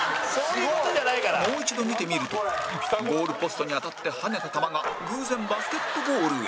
もう一度見てみるとゴールポストに当たって跳ねた球が偶然バスケットゴールへ